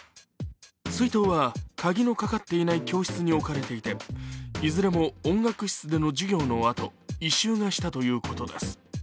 水筒は鍵のかかっていない教室に置かれていて、いずれも音楽室での授業のあと異臭がしたということです。